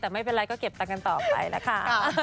แต่ไม่เป็นไรก็เก็บตังค์กันต่อไปนะคะ